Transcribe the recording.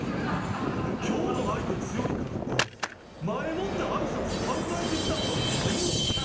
今日の相手強いからって前もって挨拶考えてきたとかないよな？